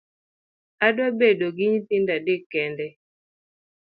Adwa bedo gi nyithindo adek kende.